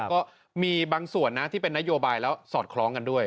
ก็มีบางส่วนนะที่เป็นนโยบายแล้วสอดคล้องกันด้วย